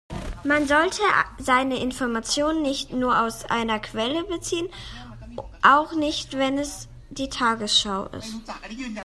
Man sollte seine Informationen nicht nur aus einer Quelle beziehen, auch nicht wenn es die Tagesschau ist.